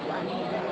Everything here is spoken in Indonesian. di tuan ibu ani